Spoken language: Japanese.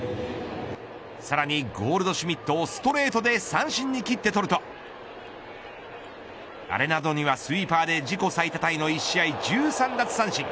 さらにゴールドシュミットをストレートで三振に斬って取るとアレナドにはスイーパーで自己最多タイの１試合中３奪三振。